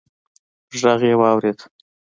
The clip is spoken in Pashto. غږ يې واورېد: